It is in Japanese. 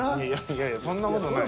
いやいやそんな事ない。